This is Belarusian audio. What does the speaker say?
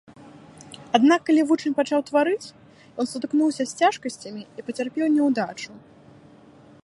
Аднак калі вучань пачаў тварыць, ён сутыкнуўся з цяжкасцямі і пацярпеў няўдачу.